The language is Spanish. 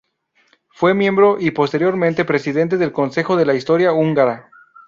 Fue miembro y posteriormente presidente del Consejo de la Historia Húngara.